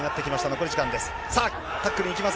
残り時間です。